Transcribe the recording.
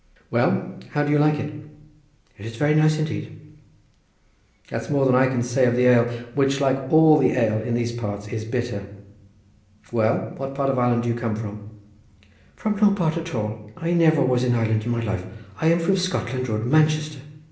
"Well, how do you like it?" "It's very nice indeed." "That's more than I can say of the ale, which, like all the ale in these parts, is bitter. Well, what part of Ireland do you come from?" "From no part at all. I never was in Ireland in my life. I am from Scotland Road, Manchester."